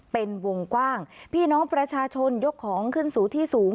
เป็นวงกว้างพี่น้องประชาชนยกของขึ้นสู่ที่สูง